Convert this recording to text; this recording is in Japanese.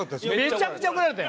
めちゃめちゃ怒られた。